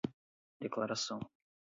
declaração